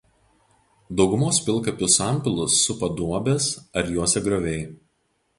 Daugumos pilkapių sampilus supa duobės ar juosia grioviai.